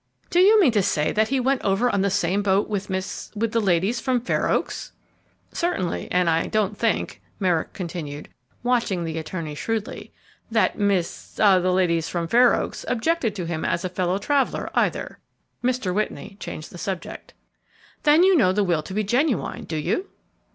Do you mean to say that he went over on the same boat with Miss with the ladies from Fair Oaks?" "Certainly; and I don't think," Merrick continued, watching the attorney shrewdly, "that Miss the ladies from Fair Oaks objected to him as a fellow traveller, either." Mr. Whitney changed the subject. "Then you know that will to be genuine, do you?"